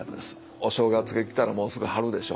お正月が来たらもうすぐ春でしょ。